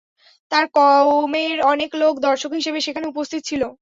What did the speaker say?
তার কওমের অনেক লোক দর্শক হিসেবে সেখানে উপস্থিত ছিল।